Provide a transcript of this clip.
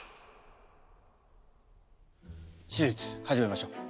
手術始めましょう。